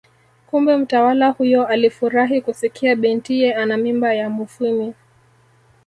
Kumbe mtawala huyo alifurahi kusikia bintiye ana mimba ya Mufwimi